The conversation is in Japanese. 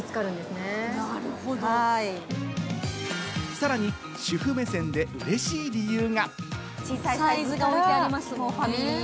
さらに主婦目線で嬉しい理由が。